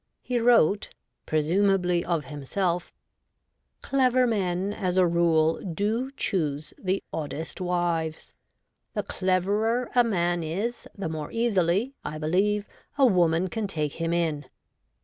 He wrote, presumably of himself :' Clever men, as a rule, do choose the oddest wives. The cleverer a man is the more easily, I believe, a woman can take him in.'